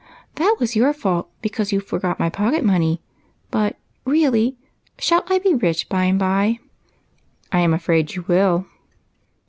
" That was your fault, because you forgot my pocket money. But, really, shall I be rich by and by ?"" I am afraid you will."